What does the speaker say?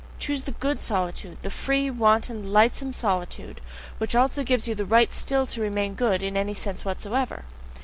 Choose the GOOD solitude, the free, wanton, lightsome solitude, which also gives you the right still to remain good in any sense whatsoever!